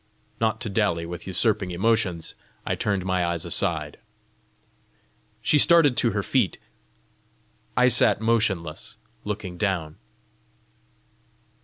Not to dally with usurping emotions, I turned my eyes aside. She started to her feet. I sat motionless, looking down.